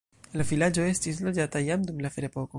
La vilaĝo estis loĝata jam dum la ferepoko.